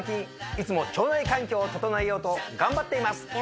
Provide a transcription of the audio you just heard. いつも腸内環境を整えようと頑張っています！